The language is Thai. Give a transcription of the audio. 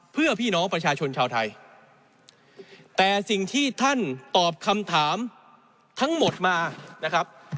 เพื่อพี่น้องประชาชนชาวไทยแต่สิ่งที่ท่านตอบคำถามทั้งหมดมานะครับ